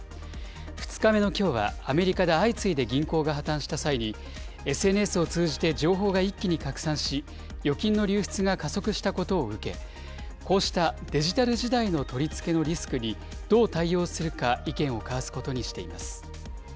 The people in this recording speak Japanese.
２日目のきょうは、アメリカで相次いで銀行が破綻した際に、ＳＮＳを通じて情報が一気に拡散し、預金の流出が加速したことを受け、こうしたデジタル時代の取り付けのリスクにどう対応するか、意見を交わすことにしています。